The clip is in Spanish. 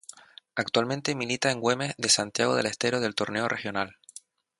Actualmente milita en Güemes de Santiago del Estero del Torneo Regional.